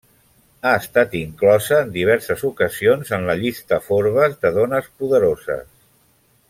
Ha estat inclosa en diverses ocasions en la Llista Forbes de dones poderoses.